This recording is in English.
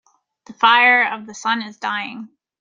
The fire of the sun is dying.